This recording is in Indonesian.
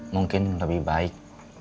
mungkin lebih baik